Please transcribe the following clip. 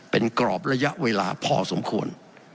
เป็นกรอบระยะเวลาพอสมควร